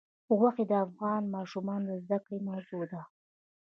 غوښې د افغان ماشومانو د زده کړې موضوع ده.